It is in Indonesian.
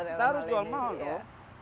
kita harus jual mahal no